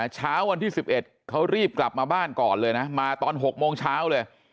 เช้าวันที่๑๑เขารีบกลับมาบ้านก่อนเลยนะมาตอน๖โมงเช้าเลย